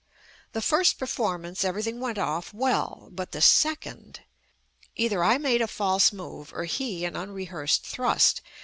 The first performance everything went off well, but the second — either I made a false move or he an unre hearsed thrust.